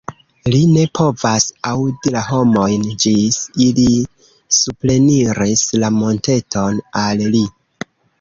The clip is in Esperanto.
Li ne povas aŭdi la homojn ĝis ili supreniris la monteton al li.